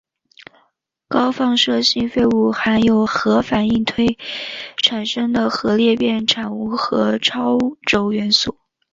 高放射性废物含有核反应堆产生的核裂变产物和超铀元素。